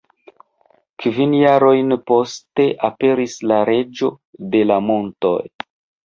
Kvin jarojn poste aperis La Reĝo de la Montoj.